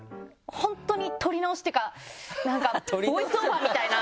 本当に撮り直しっていうかボイスオーバーみたいな。